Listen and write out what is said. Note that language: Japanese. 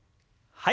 はい。